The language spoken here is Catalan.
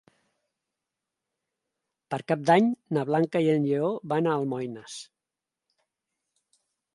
Per Cap d'Any na Blanca i en Lleó van a Almoines.